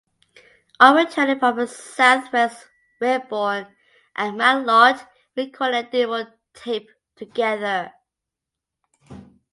On returning from the South West Renbourn and MacLeod recorded a demo tape together.